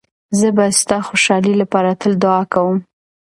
زه به ستا د خوشحالۍ لپاره تل دعا کوم.